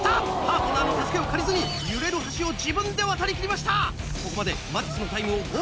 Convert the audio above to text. パートナーの助けを借りずに揺れる橋を自分で渡り切りました。